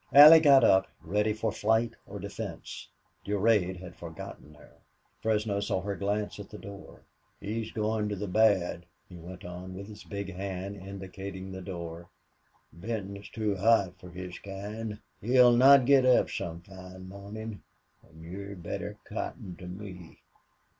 Allie got up, ready for fight or defense. Durade had forgotten her. Fresno saw her glance at the door. "He's goin' to the bad," he went on, with his big hand indicating the door. "Benton's too hot fer his kind. He'll not git up some fine mornin'.... An' you'd better cotton to me.